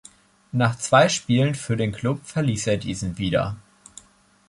Nach zwei Spielen für den Club verließ er diesen wieder.